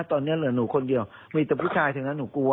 ตอนนี้เหลือหนูคนเดียวมีแต่ผู้ชายถึงแล้วหนูกลัว